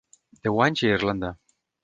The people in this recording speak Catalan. Deu anys i Irlanda.